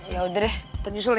ya udah deh kita nyusul ya